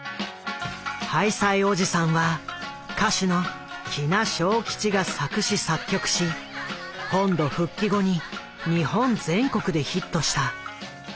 「ハイサイおじさん」は歌手の喜納昌吉が作詞作曲し本土復帰後に日本全国でヒットした。